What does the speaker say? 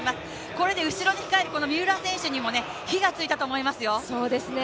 これで後ろに控える三浦選手にも火がついたと思いますよ。